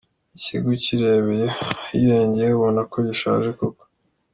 Ikigo ukirebeye ahirengeye ubona ko gishaje koko.